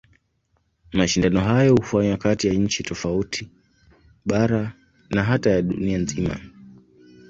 Mashindano hayo hufanywa kati ya nchi tofauti, bara na hata ya dunia nzima.